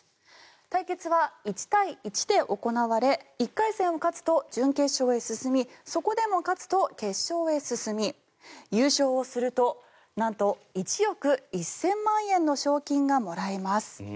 対決は１対１で行われ１回戦を勝つと準決勝へ進みそこでも勝つと決勝へ進み優勝をするとなんと１億１０００万円の賞金がもらえます。